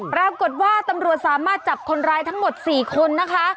ปรากฏว่าตำรวจสามารถจับคนร้ายทั้งหมด๔คนนะคะ